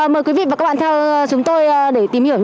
mời quý vị và các bạn theo chúng tôi để tìm hiểu